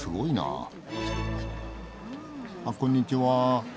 あっこんにちは。